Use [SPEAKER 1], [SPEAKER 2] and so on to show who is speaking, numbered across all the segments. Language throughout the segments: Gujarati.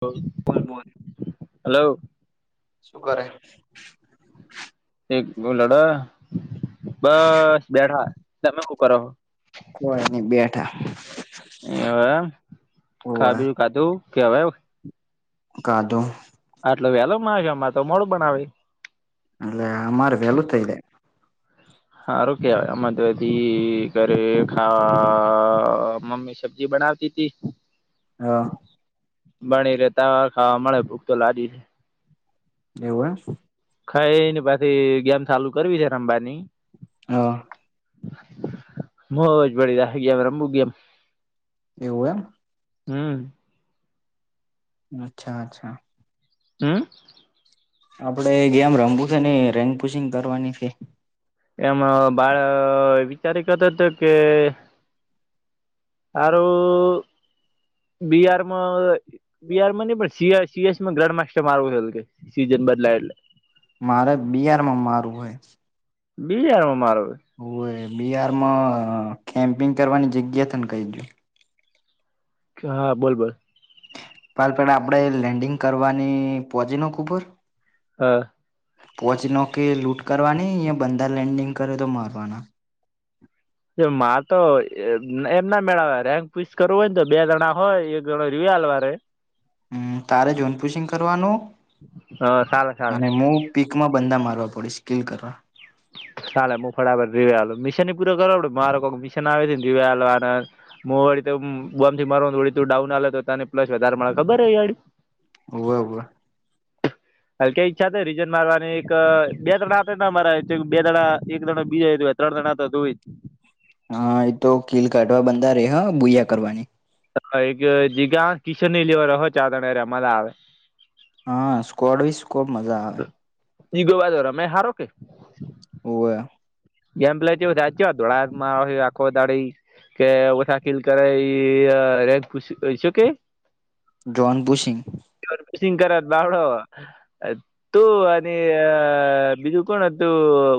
[SPEAKER 1] લો
[SPEAKER 2] બોલ બોલ
[SPEAKER 1] હલો
[SPEAKER 2] શું કરે
[SPEAKER 1] એક બહું લડ બસ બેઠા તમે હું. હું કરો હો.
[SPEAKER 2] કોઈ નઈ બેઠા.
[SPEAKER 1] એવું એમ
[SPEAKER 2] હોવે
[SPEAKER 1] ખાધુ ખાધુ હવે એમ.
[SPEAKER 2] ખાધુ.
[SPEAKER 1] આટલો વેલો માર ઘેર તો મોડું બનાવે.
[SPEAKER 2] અલ્યા અમારે વેલુ થઈ જાય
[SPEAKER 1] હારુ કેવાય અમાર તો હજી ઘરે ખા મમ્મી સબ્જી બનાવતી. જી જી.
[SPEAKER 2] હા.
[SPEAKER 1] બણી રે ટેન ખાવા મળે ભૂખ તો લાદી છે.
[SPEAKER 2] એવું એમ.
[SPEAKER 1] ખાઈને પછી ગેમ ચાલુ કરવી છે રમવાની.
[SPEAKER 2] હ.
[SPEAKER 1] મોજ પડી જાય ગેમ રમું ગેમ એમ.
[SPEAKER 2] એવું એમ.
[SPEAKER 1] હમ્મ.
[SPEAKER 2] અચ્છા અચ્છા.
[SPEAKER 1] હમ્મ.
[SPEAKER 2] આપડે ગેમ રમવું છે ને ભઈને પુશિંગ કરવાની છે.
[SPEAKER 1] એમ બાળ વિચારી કરતો હતો કે. હારુ બિહારમાં. બિહાર માં નઈ પણ સીઆર સીએસમાં ગ્રાન્ડ માસ્ટર મારું હાલ સીઝન બદલાય એટલે.
[SPEAKER 2] મારે બિહારમાં મારું હે.
[SPEAKER 1] બિહારમાં મારો.
[SPEAKER 2] હોવે બિહારમાં કેમ્પિંગ કરવાની જગ્યા તન કહી દે.
[SPEAKER 1] હા બોલ બોલ.
[SPEAKER 2] પાલપેડા આપડે લેન્ડિંગ કરવાની પહોંચી નો કુબર.
[SPEAKER 1] હા.
[SPEAKER 2] પોચનો કે લૂટ કરવાની યા બંધા લેન્ડિંગ કરે તો મારવાના.
[SPEAKER 1] તો માર તો એમ ના મેળ આવે રેમ પીચ કરવું હોય ને તો બે જણા હોય. પેલો રીઆલવારે.
[SPEAKER 2] હમ્મ તારે જૂનપુસિંગ કરવાનું
[SPEAKER 1] હા ચાલે ચાલે
[SPEAKER 2] અને હું. પીકમાં બંદા મારવા પડસે કીલ કરવા.
[SPEAKER 1] ચાલે હું ફળબર રીવાલો મિશન પૂરો કરાવડ મારે કોઈક મિશન આવે ને રીવાલાર. મુ વળી તો બોમ થી મારવાળી તું ડાઉન આવે તો તને પ્સ વધારે મળે ખબર હોય.
[SPEAKER 2] હોવે હોવે.
[SPEAKER 1] હ કે ઈચ્છા કે રિજન મારાની એક બે જણા હતા ને મારા બે જણા એક જણા બીયાય ને. ત દણા દ હોઈ.
[SPEAKER 2] હા એ તો કીલ કાઢવા બંધા રે હ ભૂયા કરવાની.
[SPEAKER 1] એક જીગા કિશન ની લેવા હો ચારના મજા આવે.
[SPEAKER 2] હા સ્કોડ બી સ્કોબ મજા આવે
[SPEAKER 1] ઈગલો પાસો રમે હારો કે.
[SPEAKER 2] હોવે.
[SPEAKER 1] ગેમ પ્લે કેવું થાય આજ કેવા ધોળાયા આખો દાડી. કે ઓછા કીલ કરે ઈ રેલ કુસી શું કે ઈ.
[SPEAKER 2] John bushing.
[SPEAKER 1] જોન બુસિંગ કરે બાવડો. તું અને બીજું કોણ હતું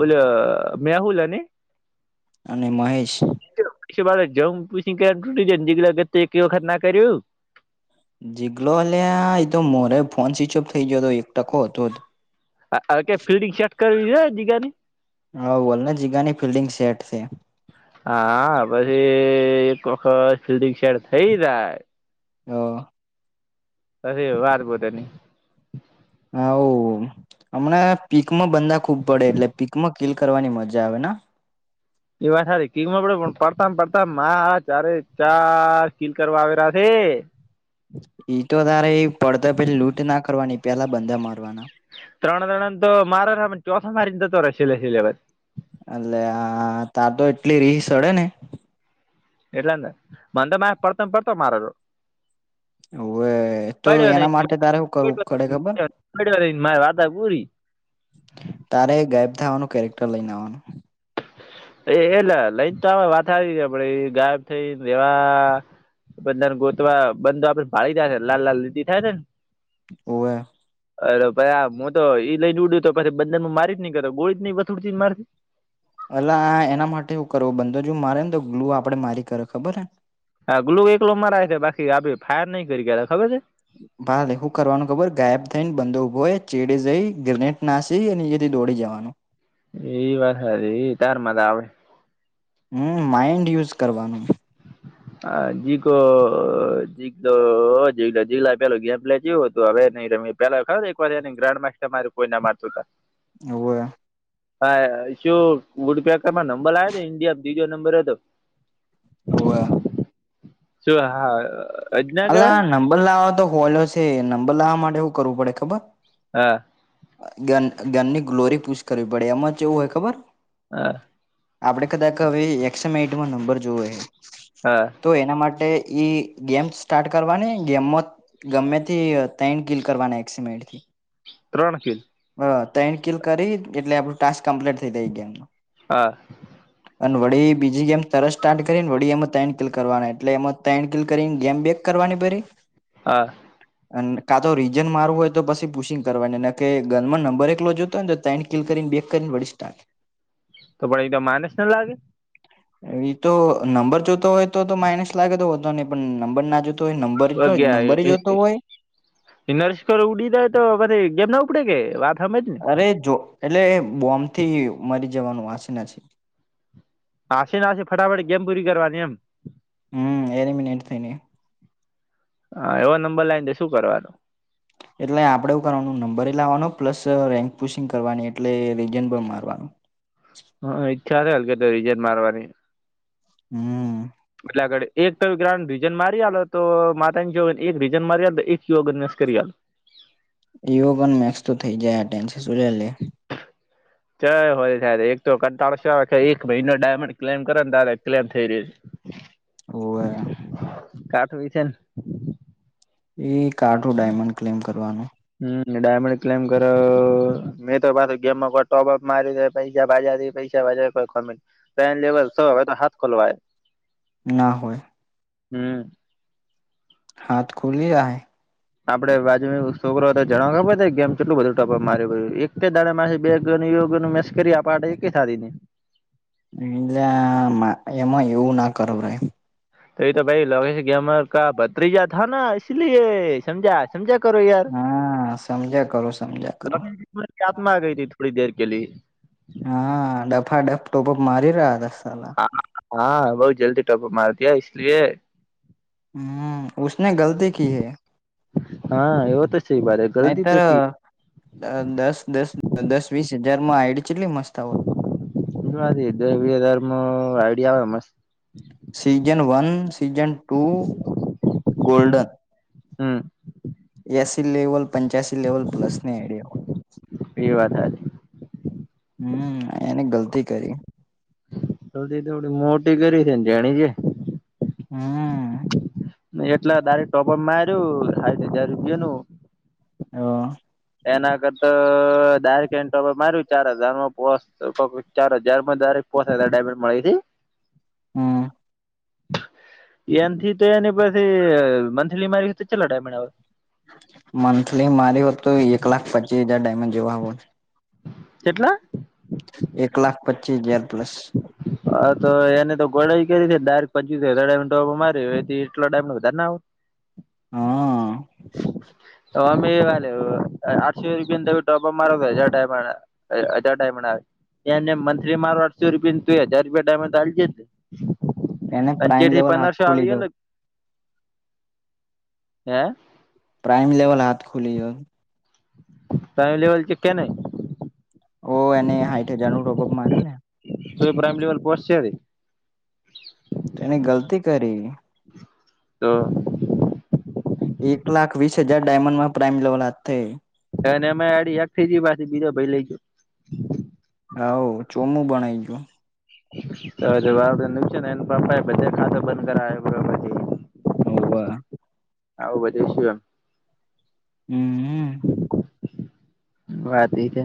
[SPEAKER 1] ઓલ્યો. મેહુલ નઈ.
[SPEAKER 2] અને મહેશ.
[SPEAKER 1] પછી વાળે જમ પછી તૂટી જને દીકગત એક વખત ના કર્યું.
[SPEAKER 2] ઝીગલો હલ એતો મોરે ફોન સ્વિચ ઓફ થઇ ગયો હતો એક ટકો હતો જ
[SPEAKER 1] હ ક ફિલ્ડિંગ સેટ કરવી છે જગા ની
[SPEAKER 2] હા બોલને જીગાની ફિલ્ડિંગ સેટ થ
[SPEAKER 1] હા પછી એક વખત ફિલ્ડંગ શેટ થઈ જાય.
[SPEAKER 2] હ
[SPEAKER 1] ત વાત બોતાની
[SPEAKER 2] હ હમણા પીકમાં બંધા ખુબ પડે એટલે પીકમાં કકીલ કરવાની મજા આવે ને
[SPEAKER 1] એ વાત થારી કીકમાં પડે પણ પડતા પડતામ ચારે ચાર કીલ કરવા આવેલા છે.
[SPEAKER 2] ઈ તો તારે એ પડતો પે લૂંટ ના કરવાની પેલા બંધા મારવાના
[SPEAKER 1] ત્રણ ત્રણ તો મારો ચોથા મારીનેતો રહેશે સિલેબસ
[SPEAKER 2] એલે હા ત્યા તો એટલી રીસ સડે ને
[SPEAKER 1] એટલેને મને પડતો પડતો મારો
[SPEAKER 2] ઓવે તો
[SPEAKER 1] પડ્યો
[SPEAKER 2] એના
[SPEAKER 1] નહી
[SPEAKER 2] માટે તારે શું કરવું પડે ખબર
[SPEAKER 1] પડ્યો ન મારે વાતા પૂરી
[SPEAKER 2] તારે ગાયબ થાવાનું કેરેક્ટર લઈને આવવાનું
[SPEAKER 1] એ એલે લઈને તો વાથ આવી ગ આપડે ગાયબ થઈ રેવા બધાને ગોતવા બંધો આપડે ભાળી જાય ને લાલ લાલ દીતિ થાય ને
[SPEAKER 2] હો વે
[SPEAKER 1] અરે પછ આ હું તો ઈ લઈને ઉડય તો પછી બંને મારી જ નઈ કરતો ગળી જ નઈ વથુડતી મારતી
[SPEAKER 2] અલા આ એના માટે શું કરવું બંદો જો મારે ને તો ગ્લુ આપડે મારી કરે ખબરને
[SPEAKER 1] હા ગ્લું એકલો મારાય છે બાકી આપે ફાયર નહી કરી ગયા હતાા ખબર છે.
[SPEAKER 2] ભાલે શું કરવાનું ખબર ગાયબ થઈને બંદોભો એ ચેડીે જઈ ગ્રેનેડ ના જઈએ હીંથી દોડી જવાનુ
[SPEAKER 1] એ વાત એ તાર મજા આવે
[SPEAKER 2] હમ માઈન્ડ યુઝ કરવાનું
[SPEAKER 1] હ જી જી તો જ જીલા પેલ ગ પેલા જવું હતું હવે નઈ રમે પેલા ખ એક વાર એ ગ્રાન્ માસ્ટર મારે કોઈ ના મારતું ત
[SPEAKER 2] હવવેવે
[SPEAKER 1] હા શું વુડપેકરમાં નંબર આવ હતો ઇન્ડિયા બીજો નંબર હતો.
[SPEAKER 2] હોવે.
[SPEAKER 1] તો યે હા અજના કેવાય
[SPEAKER 2] અલા નંબર લાવવા તો હોલો છે નંબર લાવવા માટે એું કરવું પડે ખબર
[SPEAKER 1] હા.
[SPEAKER 2] ગનની ગ્લોરી પૂછ કરવી પડે એમાં જેવું હોય ખબર
[SPEAKER 1] હા
[SPEAKER 2] આપણે કદાચ હવે એક્સમટમાં નંબર જોવ
[SPEAKER 1] હા
[SPEAKER 2] તો એના માટે ઈ ગેમ સ્ટાર્ટ કરવાની ગેમમાં ગમે તે તઈન કિલ કરવાની એક્સીમેન્ટ થી.
[SPEAKER 1] ત્રણ ખીલ.
[SPEAKER 2] અ તઈણ કીલ કરી એટલે આપડું ટાસ્ક કમ્પ્લીટ થઈ દઈ એ ગેમ માં.
[SPEAKER 1] હા
[SPEAKER 2] અને વડી બીજી ગેમ તરત સ્ટાર્ટ કરીને વડી એમાં તન કિલ કરવાના એટલે એમાં તન કિલ કરીને ગેમ બે કરવાની બરી
[SPEAKER 1] હા
[SPEAKER 2] અને કા તો રીજન મારું હોય તો પછી પુશિંગ કરવાની નને કે ગનમાં નંબર એક જોતો હો ને તો ત કિલ કરીને બે કરીને વડી સ્ટ
[SPEAKER 1] તો પણ એકદ માઇનસ ના લાગે.
[SPEAKER 2] એ તો નંબર જોતો હોય તો તો માઇનસ લાગે તોો નહી પણ નંબર ના જોતો. તો નંબર જો નંબરે જોતો હોય.
[SPEAKER 1] ઇ નરેશકોર ઉડી દાય તો મને ગેમ ના ઉપડે કે હમજ ને
[SPEAKER 2] અરે જો એટલે બોમ્બ થી મરી જવાનું વાંચ નથી.
[SPEAKER 1] હશે ના ફટાફટ ગેમ પૂરી કરવાની એમ
[SPEAKER 2] હમ એનીમ એ થ ન
[SPEAKER 1] હા એવો નંબર લાઈ ને શું કરવાનો.
[SPEAKER 2] એટલે આપડે એવું કરવાનું નંબર લાવાનો પ્લસ રેન્ક પુશિંગ કરવાની એટલે રીજન પણ મારવાનું.
[SPEAKER 1] હ ઇચ્છા છે આમ કે તો વિઝીટ મારવાની.
[SPEAKER 2] હમ્મ.
[SPEAKER 1] એટલે આગળ એક તો ટલ રીજન મારી આલો તો માતા ની જો એક રીજન મારી આ તો એક જેવો બિઝનેસ કરી આલુ.
[SPEAKER 2] યોગ નેક્સ્ટ થઈ જાય આ ટાઈમથી સૂર્ય લે.
[SPEAKER 1] જાર હોય ત્યારે એક તો કંટાળો સુ આવે એક મહિનો ડાયમંડ ક્લેમ કરેન તારે ક્લેમ થઈ રે છે.
[SPEAKER 2] ઓવે.
[SPEAKER 1] કાઠ હોય છે.
[SPEAKER 2] એ કાઠું ડાયમંડ ક્લેમ કરવાનો.
[SPEAKER 1] હમ ડાયમંડ ક્લેમ કર. મેં તો પાછું ગેમ માં પણ ટોપઅપ માર્યું પૈસા બાજા પૈસા બાજા કોઈ કમે. પેન લેવલ સુ હવે તો હાથ ખોલવાય.
[SPEAKER 2] ના હોય.
[SPEAKER 1] હમ્મ.
[SPEAKER 2] હાથ ખુલ્લી આહે.
[SPEAKER 1] આપડે બાજ માં બી છોકરો હતો જણવા ખબર છે ગેમ કેટલું બધું ટપ મારી એક દાડામાં બે ઘણી ગયું મેં મસકરી આપા અડે એ કે સારી નઈ.
[SPEAKER 2] મિંજામાં એમાં એવું ના કરો ભાઈ.
[SPEAKER 1] એતો ભાઈ લો ગેમર કા બત્રીજા થા ના ઈસી લિયે સમજા. સમજા કરો યાર.
[SPEAKER 2] હા સમજ્યા કરો સમજ્યા કરો
[SPEAKER 1] આત્મામાં ગઈ તી થોડી દેર કે લીયે.
[SPEAKER 2] હા ડફા ડફ ટોપ અપ મારી રહ્યા તા સાલા.
[SPEAKER 1] હા બહુ જલ્દી ટોપ અપ માર દીયા ઈસલીયે.
[SPEAKER 2] હમ્મ ઉસને ગલતી કી હૈ.
[SPEAKER 1] હા એવો તો છે ભારે ગલતી તો કી.
[SPEAKER 2] અ દસ દસ દસ વીસ હજાર માં આઈડી ચેટલી મસ્ત આવત.
[SPEAKER 1] એ વાત હાચી દહ વીહ હજાર માં આઈડિયા આવે મસ્ત.
[SPEAKER 2] Season one, season two golden.
[SPEAKER 1] હમ
[SPEAKER 2] એસી લેવલ, પંચ્યાસી લેવલ પ્લસ ને એડે હોઈ.
[SPEAKER 1] એ વાત સાચી
[SPEAKER 2] હમ્મ એને ગલતી કરી.
[SPEAKER 1] થોડી ચેવડી મોટી કરી છે ને જેણી જે.
[SPEAKER 2] હમ્મ.
[SPEAKER 1] એટલા દારે ટોપ અપ માયરુ હાઈટ હજાર રૂપિયાનું.
[SPEAKER 2] અ.
[SPEAKER 1] એના કરતા દારેક એન્તર પર માર્યું ચાર હજાર માં પોચ ટોપ અપ ચાર હજારમાં દારે. પોચ હાજર ડાયમંડ મળી હતી.
[SPEAKER 2] હમ્મ.
[SPEAKER 1] એનથી તો એની પછી મંથલી મા એવી રીતે ચેટલા ડાયમંડ આવે.
[SPEAKER 2] મંથલી મારી હોત તો એક લાખ પચી હજાર ડાયમંડ જેવા હોત.
[SPEAKER 1] કેટલા?
[SPEAKER 2] એક લાખ પચી હજાર પ્લસ.
[SPEAKER 1] હા તો એને તો ગોળાઈ કરી છે તાર પચીસ હજાર ટોપ મારી એટ ટાઈમ વધારે ના આવ.
[SPEAKER 2] હા.
[SPEAKER 1] તમારે ભઈ ક્યાં લેવલ પર. આઠસો રૂપિયા તમે ટોપ અપ મારો તોય હજાર ડાયમ હજાર ડાયમંડ આવે. એને મંથલી મારો આઠસો રૂપિયા નું થયું તોય હજાર રૂપિયા ડાયમંડ હારી જ્યો તું.
[SPEAKER 2] એને
[SPEAKER 1] અન
[SPEAKER 2] પ્રાઈમ
[SPEAKER 1] ચેઠી
[SPEAKER 2] લેવલ
[SPEAKER 1] પંદર
[SPEAKER 2] હાથ
[SPEAKER 1] સો
[SPEAKER 2] ખોલી
[SPEAKER 1] આવી
[SPEAKER 2] દો
[SPEAKER 1] અલગ. હૈ.
[SPEAKER 2] પ્રાઇમ લેવલ હાથ ખુલી હો.
[SPEAKER 1] પ્રાઈમ લેવલ છે કે નહી.
[SPEAKER 2] ઓ એને હાઇઠ હજાનું ટોપક માર્યું ને.
[SPEAKER 1] તો એ પ્રાઈમ લેવલ પહોચ કે.
[SPEAKER 2] એણે ગલતી કરી.
[SPEAKER 1] તો.
[SPEAKER 2] એક લાખ વીસ હજાર ડાયમંડ માં પ્રાઇમ લેવલ હાથે.
[SPEAKER 1] અમે આડી એક થઈ જી બીજો ભાઈ લઈજ.
[SPEAKER 2] હાવુ ચોમું બનાઈ ગયો.
[SPEAKER 1] [inaudible] બંધ કરાવ્યો પછી
[SPEAKER 2] હવવા.
[SPEAKER 1] આવું બધુ શુંઅ.
[SPEAKER 2] હમહઅ.
[SPEAKER 1] વાત એકે.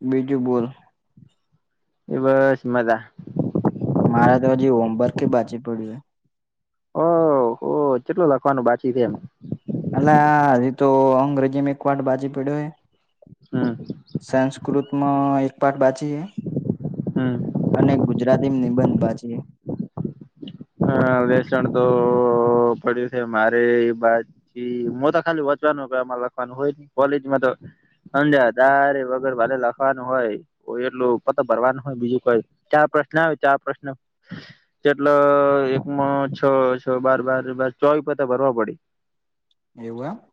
[SPEAKER 2] બીજું બોલ.
[SPEAKER 1] એ બસ મદા.
[SPEAKER 2] મારે તો હજી હોમવર્ક બાચી પડ્યું હે.
[SPEAKER 1] ઓહો ઓહ કેટલું લખવાનું બાકી છે એમા.
[SPEAKER 2] અલા હજી તો અંગ્રેજીમે એક વાટ બાજી પડ્યો.
[SPEAKER 1] હમ.
[SPEAKER 2] સંસ્કૃતમાં એક પાઠ બાચીએ.
[SPEAKER 1] હઅ.
[SPEAKER 2] અને ગુજરાતીમ નિબંધ બાચી.
[SPEAKER 1] હાઆઆ વ્યસણ તો પડ્યું છે મારે એ બાજ. હ હ મોતો ખાલી વચવાનુંમાં લખવાનું હોય કોલેજમાં તો. અંજા તારે વગર વાલે લખવાનું હોય. ઓ એટલું પત ભરવાનું હોય બીજું કોઈ ચાર પ્રશ્ન આવે ચાર પ્રશ્ન. જેટલા. એકમા છ છ બાર બાર બાર ચોવી પતા ભરવા પડી.
[SPEAKER 2] એવું એમ.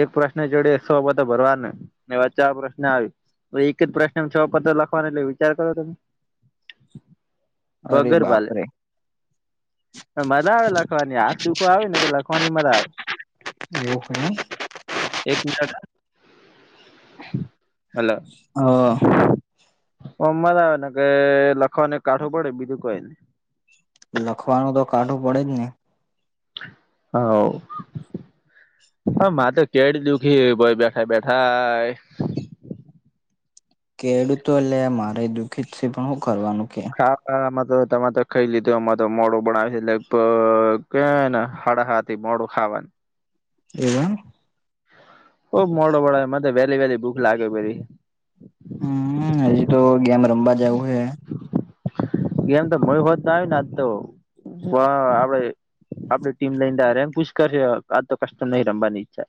[SPEAKER 1] એક પ્રશ્ન જોડે એકસોતો પતા ભરવાનું એવા ચાર પ્રશ્ન આવી. એક જ પ્રશ્ન છ પતા લખવાના એટલે વિચાર કરો તમે.
[SPEAKER 2] અરે
[SPEAKER 1] વગર ભાલે
[SPEAKER 2] બાપરે.
[SPEAKER 1] મજા આવે લખવાની હાથ દુખો આવેને કે લખવાની મજા આવે.
[SPEAKER 2] એવું હે
[SPEAKER 1] એક મિનટ હને હલો.
[SPEAKER 2] હઅ.
[SPEAKER 1] સોમવાર આવે ને કે લખવાને કાઠું પડે બીજું કઈને.
[SPEAKER 2] લખવાનું તો કાઢું પડે જ ને.
[SPEAKER 1] હવ. હા મા તો કેડી દુઃખી ભય બેઠા -બેઠા.
[SPEAKER 2] કેડતો લે મારે દુઃખીત છે પણ હું કરવાનું કે.
[SPEAKER 1] આમાં તો તમારે તો ખાઈ લીધું આમાં તો મોડું બનાવે છે એટલે કેને હાડા હાથ. તે મોડું ખાવાનું.
[SPEAKER 2] એવમ.
[SPEAKER 1] બવ મોડો બનાવે મનેતો વહેલી વહેલી ભૂખ લાગે પેરી.
[SPEAKER 2] હમ હજી તો ગેમ રમવા જવું હે.
[SPEAKER 1] ગેમ તો ગય હોત આવી ને આ તો આપડે. આપડે ટીમ લઈને એમ પૂછ કરશે આ તો કસ્ટ્ટ નહીિ રમવાની ઈચ્છા.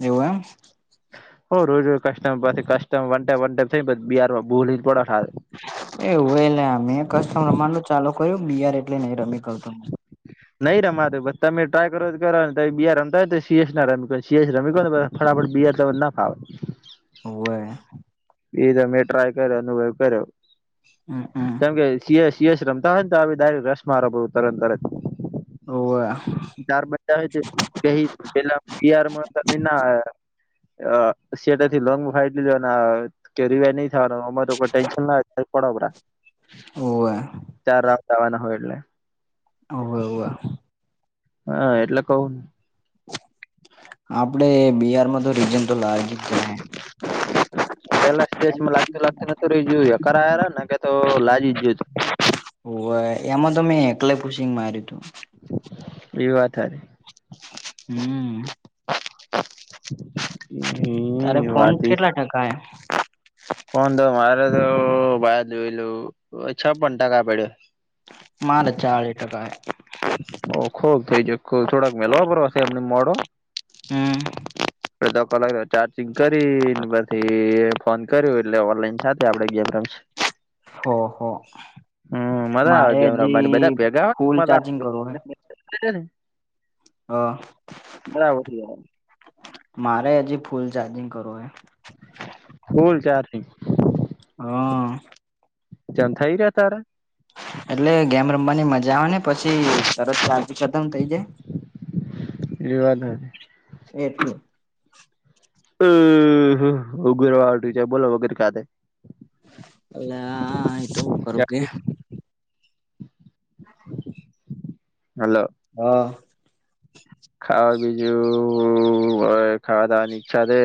[SPEAKER 2] એવું એમ.
[SPEAKER 1] હો રોજ રજ ક્ટમ પછી કમ વંટ વ થઈ બિાર બોલી.
[SPEAKER 2] એવું એલે અ કસ્ટમ રમાનું ચાલુ કર્યું બિયાર એટલે નઈ રમી કર. [inaudible]
[SPEAKER 1] નઈ રમાતો તમે ટ્રાય કરો કરો ને બી રમતા હોય તો સીએસ ના રમી સીએસ રમી ને. ફટાફટ બિયર તવ ના ફાવે.
[SPEAKER 2] હવે.
[SPEAKER 1] એ તમે ટ્રાય કર્યો અનુભવ કર્યો.
[SPEAKER 2] અઅ અઅ. [inaudible]
[SPEAKER 1] કેમ કે સી સીએસ રમતા હોય ને તો ડાયક રસ મારો તરત તરત.
[SPEAKER 2] ઓવા.
[SPEAKER 1] ચાર બજા હોય છે ક પેલાયાર તમે ના આયા. અ સેટ થી લોંગ ફાઈટ લીધો અને. કે રિવાર નહી થવાનો અરે તો કોઈ ટેન્શન ના પડ પરા.
[SPEAKER 2] હોવે
[SPEAKER 1] ચાર રાઉન્ડ આવવાના હોય એટલે.
[SPEAKER 2] હોવે હોવે.
[SPEAKER 1] હા એટલે કહવું ને.
[SPEAKER 2] આપડે બિહારમાં તો રીજન તો લજ જ.
[SPEAKER 1] પેલા કેસમાં લાગતું લાગતું નું જોયું કરાર ને કે તો લાજ જ જોયું.
[SPEAKER 2] ઓ એમાં તો મેં એકલે પુશીંગ માર્યું તું.
[SPEAKER 1] એવી વાત હ ર. [inaudible]
[SPEAKER 2] હમ તારે
[SPEAKER 1] એ
[SPEAKER 2] ફોન કેટલા ટકા [unintelligible] હ [inaudible]
[SPEAKER 1] ફન તો મારે તો બાર જોયલું છપ્પન ટકા પડ્યો [unintelligible]
[SPEAKER 2] માલ ચાળ ટકાાય. [unintelligible]
[SPEAKER 1] ઓ ખોબ થઇ જ થોડાક મેલવાપરવાસે એમને મોડો.
[SPEAKER 2] એ
[SPEAKER 1] અધો કલાક ચાર્જિંગ કરીને પછી ફોન કર્યું એટલે ઓનલાઈન થ આપડે ગેમ રમ.
[SPEAKER 2] હો હો
[SPEAKER 1] હમ મજા આવે
[SPEAKER 2] મારે
[SPEAKER 1] ગને બધા
[SPEAKER 2] હજી
[SPEAKER 1] પેગા
[SPEAKER 2] ફૂલ
[SPEAKER 1] આવે મજા.
[SPEAKER 2] ચાર્જિંગ કરવું
[SPEAKER 1] ન [inaudible]
[SPEAKER 2] હા. [unintelligible]
[SPEAKER 1] બરાબર છેયાર [unintelligible]
[SPEAKER 2] મારે હજી ફૂલ ચાર્જિંગ કરવું એ.
[SPEAKER 1] ફૂલ ચારથી. [unintelligible]
[SPEAKER 2] હા [unintelligible]
[SPEAKER 1] જન થઈ રહ તાર [unintelligible]
[SPEAKER 2] એટલે ગેમ રમવાની મજા આવે ને પછી સરત ચાર્જ ખતમ થઇ જાય.
[SPEAKER 1] રવાદ. [unintelligible]
[SPEAKER 2] એટલે. [unintelligible]
[SPEAKER 1] અગરવાટ છે બોલો વગેરે કાથે.
[SPEAKER 2] ને આ હા તું હું કરું કે
[SPEAKER 1] હાલો.
[SPEAKER 2] હા [unintelligible]
[SPEAKER 1] ખાવા બીજું હો ખાવા દાવાની ઈચ્છા થઈ [unintelligible]